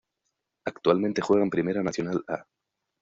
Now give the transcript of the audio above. Actualmente juega en Primera Nacional "A".